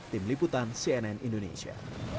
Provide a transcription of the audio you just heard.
tim liputan cnn indonesia